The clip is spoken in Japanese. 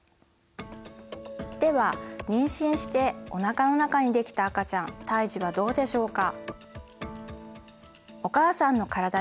では妊娠しておなかの中にできた赤ちゃん胎児はどうでしょうか？